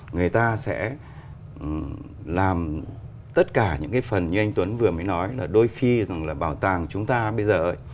người ta sẽ làm tất cả những cái phần như anh tuấn vừa mới nói là đôi khi rằng là bảo tàng chúng ta bây giờ